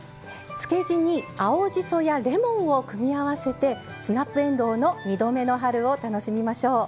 漬け地に青じそやレモンを組み合わせてスナップえんどうの２度目の春を楽しみましょう。